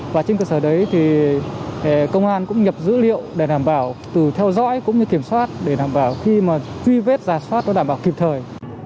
và trên cơ sở đấy thì công an cũng nhập dữ liệu để đảm bảo từ theo dõi cũng như kiểm soát để đảm bảo khi mà truy vết giả soát nó đảm bảo kịp thời